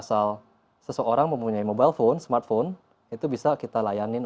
dalam kedua dua gapu voip disini